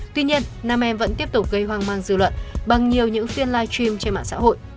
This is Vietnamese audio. tuy nhiên nam em vẫn tiếp tục gây hoang mang dư luận bằng nhiều những phiên live stream trên mạng xã hội